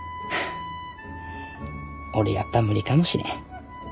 俺やっぱ無理かもしれん。